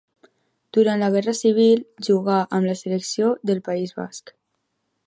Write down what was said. Durant la Guerra Civil jugà amb la selecció del País Basc.